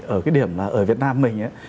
ở cái điểm là ở việt nam mình